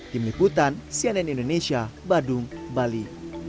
tim liputan cnn indonesia badung bali